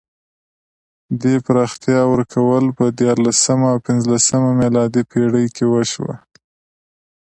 دې پراختیا ورکول په دیارلسمه او پنځلسمه میلادي پېړۍ کې وشوه.